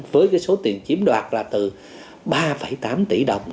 với số tiền chiếm đoạt là từ ba tám tỷ đồng